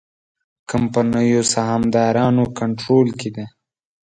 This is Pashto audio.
کمپنیو سهامدارانو کنټرول کې ده.